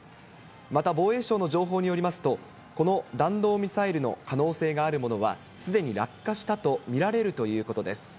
また防衛省の情報によりますと、この弾道ミサイルの可能性があるものは、すでに落下したと見られるということです。